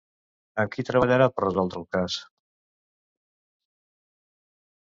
Amb qui treballarà per resoldre el cas?